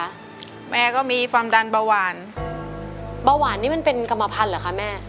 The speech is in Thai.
แม่ก็มีความดันเบาหวานเบาหวานนี่มันเป็นกรรมพันธุ์เหรอคะแม่